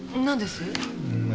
なんです？